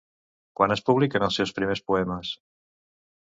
Quan es publiquen els seus primers poemes?